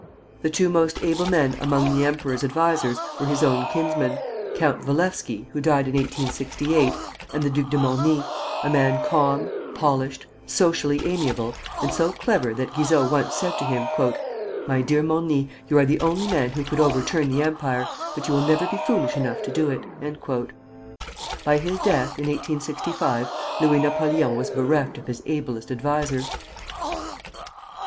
The two most able men among the emperor's advisers were his own kinsmen, Count Walewski, who died in 1868, and the Duc de Morny, a man calm, polished, socially amiable, and so clever that Guizot once said to him: "My dear Morny, you are the only man who could overturn the Empire; but you will never be foolish enough to do it." By his death, in 1865, Louis Napoleon was bereft of his ablest adviser.